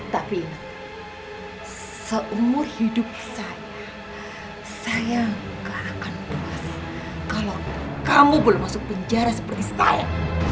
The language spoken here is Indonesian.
tapi seumur hidup saya saya akan puas kalau kamu belum masuk penjara seperti saya